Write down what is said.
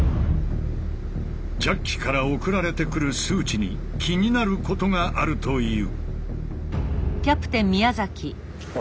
ジャッキから送られてくる数値に気になることがあるという。